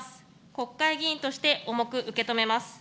国会議員として重く受け止めます。